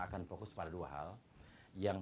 akan fokus pada dua hal yang